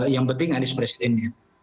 yang penting anies presidennya